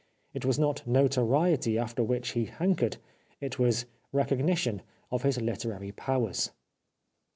It was not notoriety after which he hankered ; it was recognition of his literary powers.